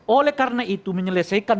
oleh karena itu menyelesaikan